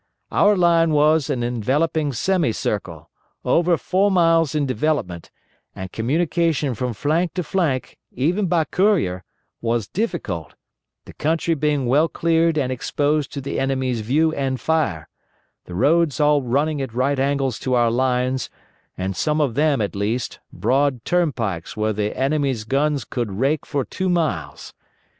Our line was an enveloping semi circle, over four miles in development, and communication from flank to flank, even by courier, was difficult, the country being well cleared and exposed to the enemy's view and fire, the roads all running at right angles to our lines, and, some of them at least, broad turnpikes where the enemy's guns could rake for two miles.